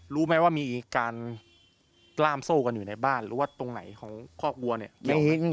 รู้ไหมว่ามีการล่ามโซ่กันอยู่ในบ้านหรือว่าตรงไหนของคอกวัวเนี่ย